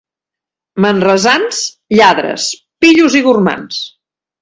Manresans, lladres, pillos i gormands.